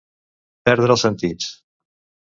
Perdre els sentits.